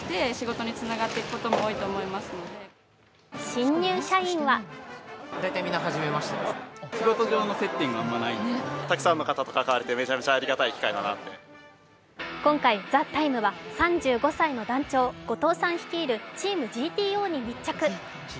新入社員は今回「ＴＨＥＴＩＭＥ，」は３５歳の団長・後藤さん率いるチームＧＴＯに密着。